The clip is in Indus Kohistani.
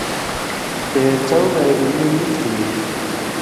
تے څؤں گائ بجلی نی تھی یی؟